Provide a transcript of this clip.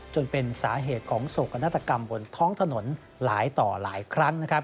จนเป็นสาเหตุของโศกนาฏกรรมบนท้องถนนหลายต่อหลายครั้ง